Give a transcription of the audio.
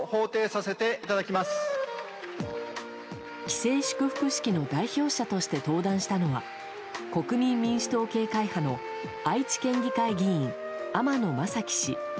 既成祝福式の代表者として登壇したのは国民民主党系会派の愛知県議会議員、天野正基氏。